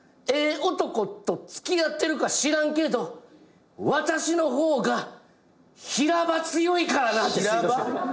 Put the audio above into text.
男と付き合ってるか知らんけど私の方が平場強いからな」ってツイートして。